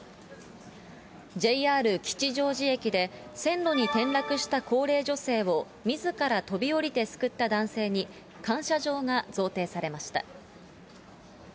ＪＲ吉祥寺駅で、線路に転落した高齢女性をみずから飛び降りて救った男性に、感謝状が贈呈されました。